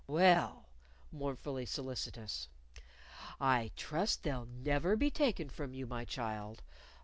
Well," mournfully solicitous "I trust they'll never be taken from you, my child.